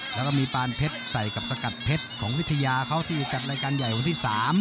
แล้วก็มีปานเพชรใส่กับสกัดเพชรของวิทยาเขาที่จัดรายการใหญ่วันที่๓